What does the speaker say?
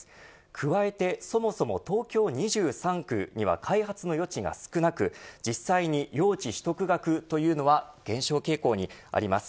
加えて、そもそも東京２３区には開発の余地が少なく実際に用地取得額というのは減少傾向にあります。